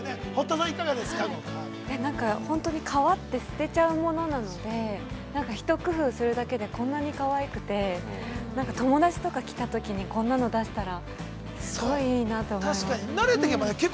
◆なんか本当に皮って捨てちゃうものなので一工夫するだけでこんなにかわいくてなんか友達とか来たときにこんなの出したらすごいいいなと思います。